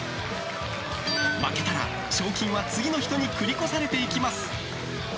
負けたら賞金は次の人に繰り越されていきます。